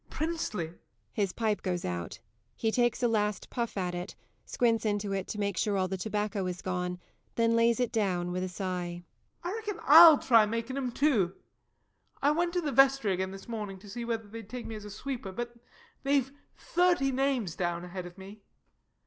Princely! [_His pipe goes out. He takes a last puff at it, squints into it to make sure all the tobacco is gone, then lays it down with a sigh._] I reckon I'll try making 'em too. I went to the Vestry again, this morning, to see whether they'd take me as sweeper but they've thirty names down, ahead of me.